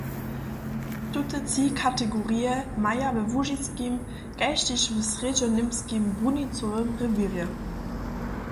Tute tři kategorije maja we łužiskim kaž tež w srjedźoněmskim brunicowym rewěrje.